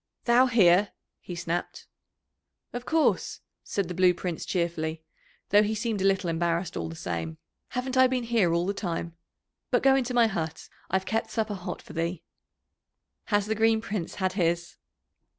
"Thou here!" he snapped. "Of course," said the Blue Prince cheerfully, though he seemed a little embarrassed all the same. "Haven't I been here all the time? But go into my hut, I've kept supper hot for thee." "Has the Green Prince had his?"